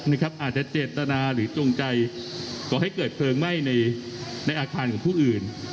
อาจจะเจตนาหรือจงใจก่อให้เกิดเพลิงไหม้ในอาคารของผู้อื่น